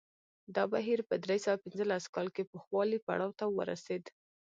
دا بهیر په درې سوه پنځلس کال کې پوخوالي پړاو ته ورسېد